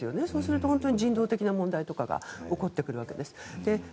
そうすると人道的な問題とかが起こってくるわけです。